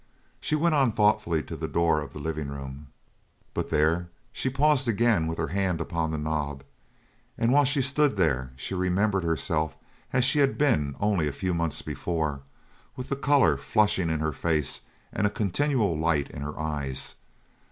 She went on thoughtfully to the door of the living room but there she paused again with her hand upon the knob; and while she stood there she remembered herself as she had been only a few months before, with the colour flushing in her face and a continual light in her eyes.